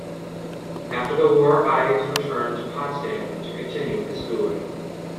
After the war Ives returned to Potsdam to continue his schooling.